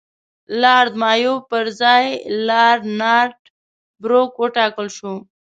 لارډ مایو پر ځای لارډ نارت بروک وټاکل شو.